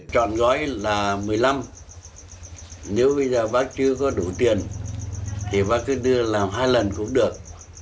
chọn gói là một mươi năm nếu bây giờ bác chưa có đủ tiền thì bác cứ đưa làm hai lần cũng được